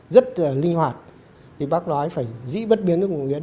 rất là linh hoạt thì bác nói phải dĩ bất biến ứng vạn biến